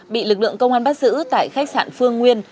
bị lực lượng công an bắt giữ tại khách sạn phương nguyên